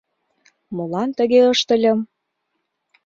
Молан тыге ыштыльым?